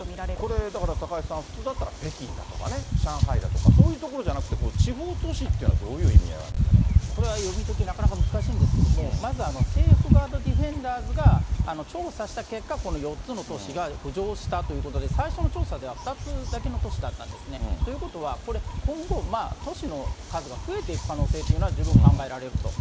これだから、高井さん、普通だったら北京とかね、上海だとか、そういう所じゃなくてこの地方都市というところはどういう意味合これは読み解き、なかなか難しいんですけれども、まずセーフガード・ディフェンダーズが調査した結果、この４つの都市が浮上したということで、最初の調査では２つだけの都市だったんですね。ということは、これ、今後、都市の数が増えていく可能性というのは十分考えられると。